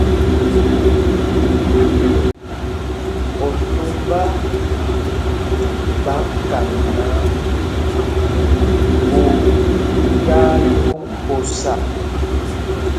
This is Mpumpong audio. Otombá ɓa kan náǎ, gō yaa lúk mbosa.